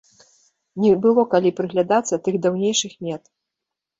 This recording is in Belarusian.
Не было калі прыглядацца тых даўнейшых мет.